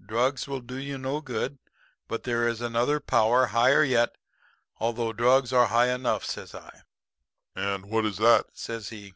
Drugs will do you no good. But there is another power higher yet, although drugs are high enough,' says I. "'And what is that?' says he.